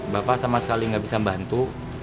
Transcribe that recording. bapak sama sekali nggak bisa bantu